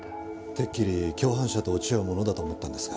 てっきり共犯者と落ち合うものだと思ったんですが。